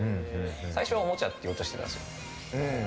最初はおもちゃって言おうとしてたんです。